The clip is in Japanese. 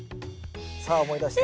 さあ思い出して。